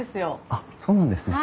あっそうなんですね。